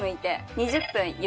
２０分。